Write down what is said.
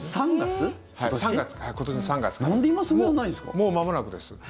もう間もなくです。